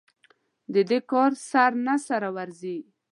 د دې کار سر نه سره ورځي.